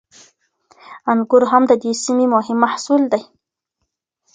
انګور هم د دې سیمې مهم محصول دی.